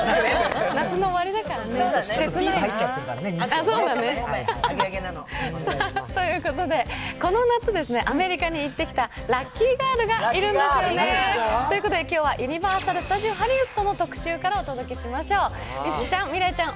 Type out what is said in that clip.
夏の終わりだから切ないね。ということでこの夏、アメリカに行ってきたラッキーガールがいるんですよね。ということで、今日はユニバーサル・スタジオ・ハリウッドの特集からお届けしましょう。